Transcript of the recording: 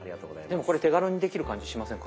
でもこれ手軽にできる感じしませんか。